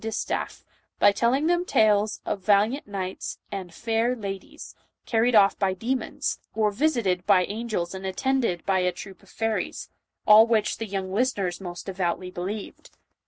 145 distaff, by telling them tales of valiant knights and "faire ladyes" carried off by demons, or visited by angels and attended by a troop of fairies — all which the little listeners most devoutly believed.